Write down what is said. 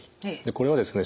これはですね